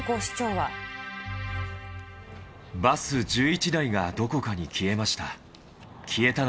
バス１１台がどこかに消えました。